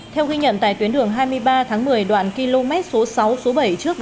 theo ghi nhận tại tuyến đường hai mươi ba tháng một mươi đoạn km số sáu số bảy trước